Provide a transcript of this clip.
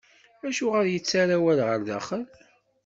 Acuɣer i yettarra awal ɣer daxel?